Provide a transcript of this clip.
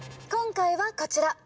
今回はこちら。